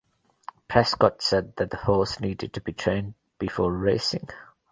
Prescott said that the horse needed to be trained before racing.